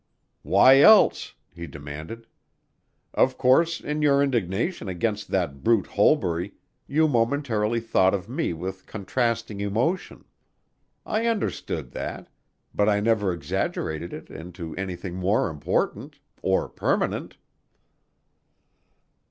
"Why else?" he demanded. "Of course, in your indignation against that brute Holbury, you momentarily thought of me with contrasting emotion. I understood that, but I never exaggerated it into anything more important or permanent."